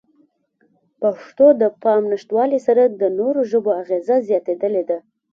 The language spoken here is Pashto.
پښتو ته د پام نشتوالې سره د نورو ژبو اغېزه زیاتېدلې ده.